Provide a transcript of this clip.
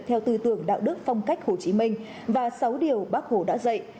theo tư tưởng đạo đức phong cách hồ chí minh và sáu điều bác hồ đã dạy